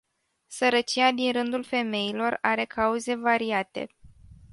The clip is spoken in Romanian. Sărăcia din rândul femeilor are cauze variate.